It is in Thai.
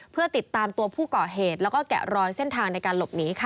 เพื่อติดตามตัวผู้ก่อเหตุแล้วก็แกะรอยเส้นทางในการหลบหนีค่ะ